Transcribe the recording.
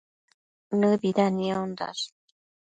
Nëbida niondash